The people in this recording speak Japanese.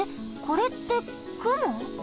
これってくも？